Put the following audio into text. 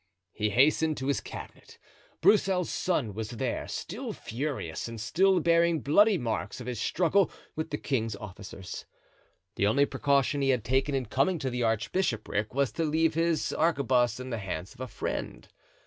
He hastened to his cabinet. Broussel's son was there, still furious, and still bearing bloody marks of his struggle with the king's officers. The only precaution he had taken in coming to the archbishopric was to leave his arquebuse in the hands of a friend.